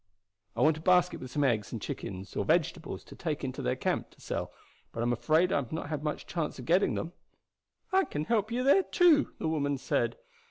"I want a basket with some eggs and chickens or vegetables to take into their camp to sell, but I am afraid I have not much chance of getting them." "I can help you there too," the woman said.